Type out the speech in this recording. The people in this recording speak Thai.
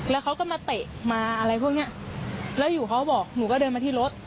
แล้วเขาก็มาเตะมาอะไรพวกเนี้ยแล้วอยู่เขาก็บอกหนูก็เดินมาที่รถ